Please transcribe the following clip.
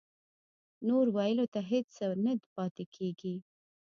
نور ویلو ته هېڅ څه نه پاتې کېږي